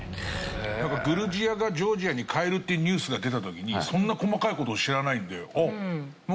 グルジアがジョージアに変えるっていうニュースが出た時にそんな細かい事を知らないんで。